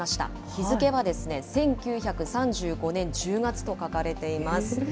日付は１９３５年１０月と書かれています。